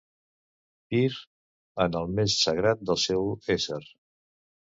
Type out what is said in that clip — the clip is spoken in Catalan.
Pir en el més sagrat del seu ésser.